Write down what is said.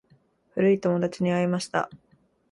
古い友達に会いました。